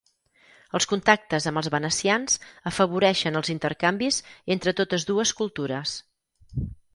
Els contactes amb els venecians afavoreixen els intercanvis entre totes dues cultures.